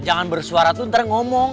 jangan bersuara itu ntar ngomong